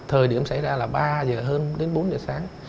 thời điểm xảy ra là ba giờ hơn đến bốn giờ sáng